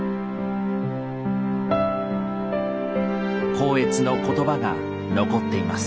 光悦の言葉が残っています。